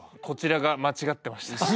こちらが間違ってました。